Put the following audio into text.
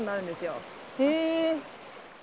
へえ。